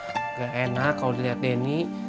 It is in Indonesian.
agak enak kalau dilihat denny